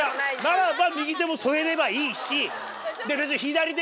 ならば右手も添えればいいし。